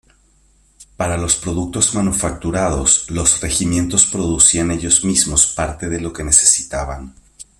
Para los productos manufacturados, los regimientos producían ellos mismos parte de lo que necesitaban.